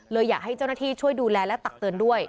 อยากให้เจ้าหน้าที่ช่วยดูแลและตักเตือนด้วย